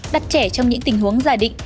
đắt trẻ trong những tình huống giải định